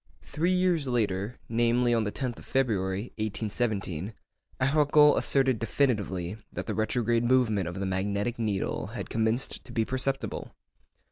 Three years later, namely, on the 10th of February, 1817, Arago asserted definitively that the retrograde movement of the magnetic needle had commenced to be perceptible.